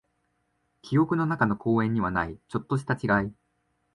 記憶の中の公園にはない、ちょっとした違い。